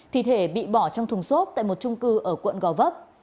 thì thể bị bỏ trong thùng xốp tại một trung cư ở quận gò vấp